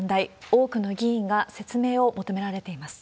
多くの議員が説明を求められています。